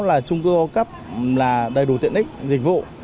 là trung cư cao cấp là đầy đủ tiện ích dịch vụ